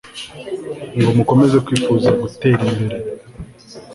ngo mukomeze kwifuza gutera imbere